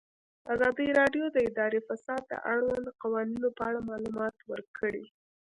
ازادي راډیو د اداري فساد د اړونده قوانینو په اړه معلومات ورکړي.